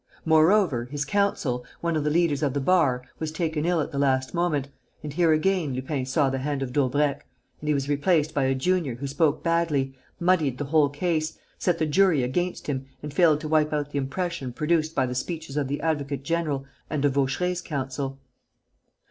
Moreover, his counsel, one of the Leaders of the bar, was taken ill at the last moment and here again Lupin saw the hand of Daubrecq and he was replaced by a junior who spoke badly, muddied the whole case, set the jury against him and failed to wipe out the impression produced by the speeches of the advocate general and of Vaucheray's counsel.